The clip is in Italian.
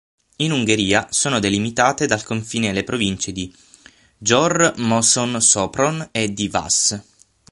In Ungheria sono delimitate dal confine le Province di Győr-Moson-Sopron e di Vas.